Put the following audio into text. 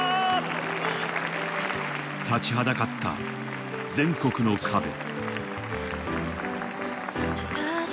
立ちはだかった全国の壁。